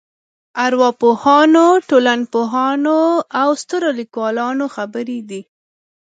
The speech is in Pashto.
ارواپوهانو ټولنپوهانو او سترو لیکوالانو خبرې دي.